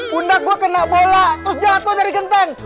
bunda gua kena bola terus jatuh dari genteng